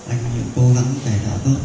anh đã cố gắng tài tạo tốt